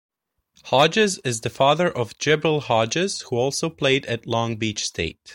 Hodges is the father of Jibril Hodges, who also played at Long Beach State.